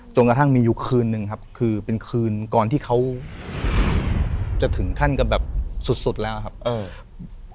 กระทั่งมีอยู่คืนนึงครับคือเป็นคืนก่อนที่เขาจะถึงขั้นกับแบบสุดสุดแล้วครับเออ